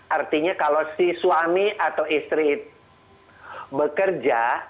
artinya kalau si suami atau istri itu bekerja